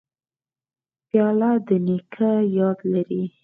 پیاله د نیکه یاد لري.